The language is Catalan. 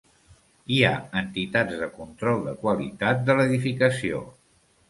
Hi ha entitats de control de qualitat de l'edificació.